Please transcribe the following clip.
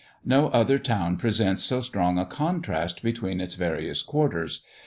No other town presents so strong a contrast between its various quarters.